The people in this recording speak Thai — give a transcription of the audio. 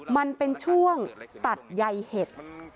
มันเป็นช่วงตัดใยเห็ด